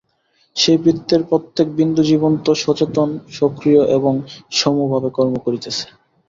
সেই বৃত্তের প্রত্যেক বিন্দু জীবন্ত, সচেতন, সক্রিয় এবং সমভাবে কর্ম করিতেছে।